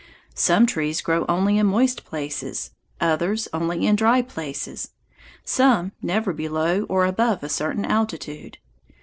Some trees grow only in moist places, others only in dry places, some never below or above a certain altitude.